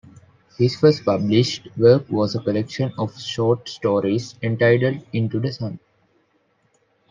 His first published work was a collection of short stories entitled "Into the Sun".